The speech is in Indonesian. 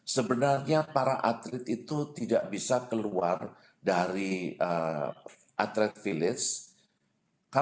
sebenarnya para atlet itu tidak bisa keluar dari atlet village